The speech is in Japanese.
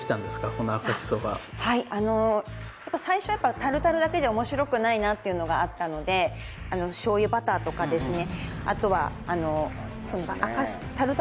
この赤しそがはい最初やっぱタルタルだけじゃ面白くないなっていうのがあったので醤油バターとかですね